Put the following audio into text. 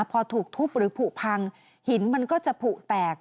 พอถูกทุบหรือผูกพังหินมันก็จะผูกแตก